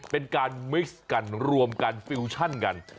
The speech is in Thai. เป็นการมิกซ์กันรวมกันฟิวชั่นกัน